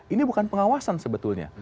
ini bukan pengawasan sebetulnya